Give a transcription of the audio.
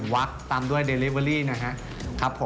วักตามด้วยด์เลอิเวอร์รี่นะครับ